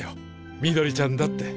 みどりちゃんだって。